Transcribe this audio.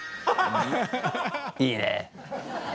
いいね。